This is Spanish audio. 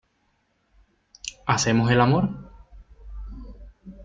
¿ hacemos el amor?